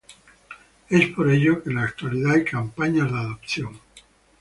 Es por ello que en la actualidad hay campañas de adopción.